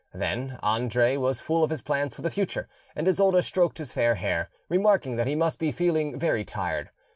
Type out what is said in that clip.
Then Andre was full of his plans for the future, and Isolda stroked his fair hair, remarking that he must be feeling very tired.